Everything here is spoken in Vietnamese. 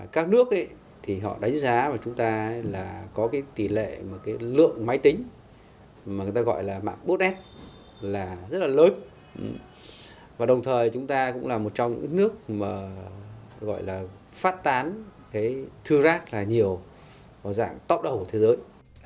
các nước thì họ đánh giá chúng ta là có cái tỷ lệ mà cái lượng máy tính mà người ta gọi là mạng bút nét là rất là lớn và đồng thời chúng ta cũng là một trong những nước mà gọi là phát tán cái thư rác là nhiều và dạng top đầu của thế giới